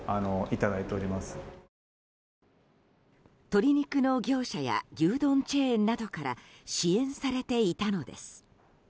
鶏肉の業者や牛丼チェーンなどから支援されていたのです。